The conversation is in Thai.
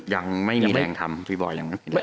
ยังไม่มีแรงทำพี่บอยล์ยังไม่มีแรงทำ